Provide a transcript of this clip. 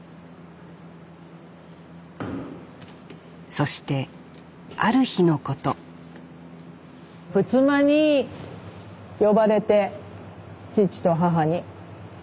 そしてある日のこと仏間に呼ばれて父と母に。